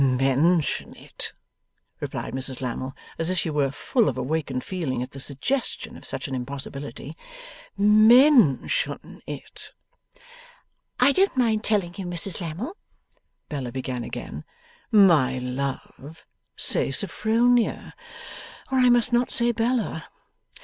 'Mention it!' replied Mrs Lammle, as if she were full of awakened feeling at the suggestion of such an impossibility. 'Men tion it!' 'I don't mind telling you, Mrs Lammle ' Bella began again. 'My love, say Sophronia, or I must not say Bella.